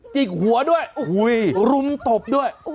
จิกหัวด้วยรุมตบด้วย